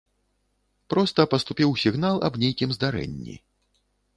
Проста паступіў сігнал аб нейкім здарэнні.